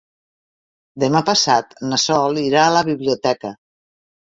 Demà passat na Sol irà a la biblioteca.